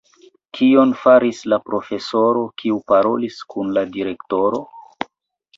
Kion faris la profesoro, kiu parolis kun la direktoro?